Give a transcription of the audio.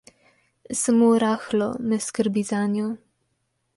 Samo rahlo me skrbi zanjo.